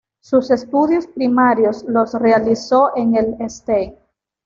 Sus estudios primarios los realizó en el ""St.